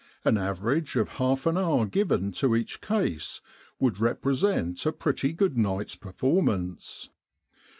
An average of half an hour given to each case would represent a pretty good night's perform ance.